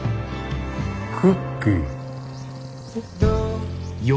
クッキー？